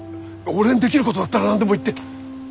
俺にできることだったら何でも言って。